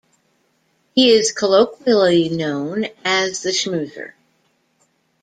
He is colloquially known as The Schmoozer.